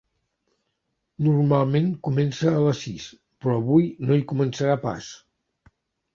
Normalment comença a les sis, però avui no hi començarà pas.